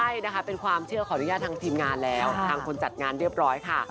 ใช่นะคะเป็นความเชื่อขออนุญาตทางทีมงานแล้วทางคนจัดงานเรียบร้อยค่ะ